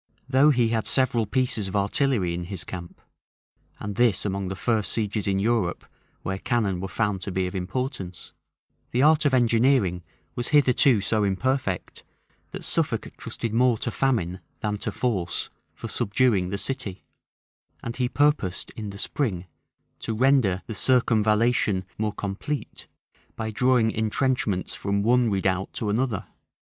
Though he had several pieces of artillery in his camp, (and this is among the first sieges in Europe where cannon were found to be of importance,) the art of engineering was hitherto so imperfect, that Suffolk trusted more to famine than to force for subduing the city; and he purposed in the spring to render the circumvallation more complete, by drawing intrenchments from one redoubt to another.